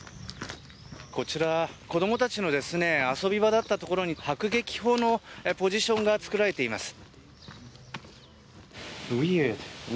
子供たちの遊び場だったところに迫撃砲のポジションが作られています。